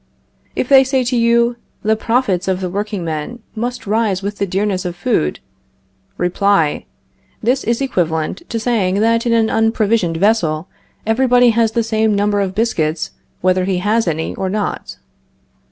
If they say to you: The profits of the workingmen must rise with the dearness of food Reply: This is equivalent to saying that in an unprovisioned vessel everybody has the same number of biscuits whether he has any or not.